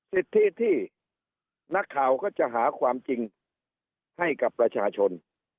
สิทธิที่นักข่าวก็จะหาความจริงให้กับประชาชน